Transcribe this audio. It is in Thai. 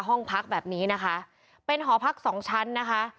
ห้องพักแบบนี้นะคะเป็นหอพักสองชั้นนะคะ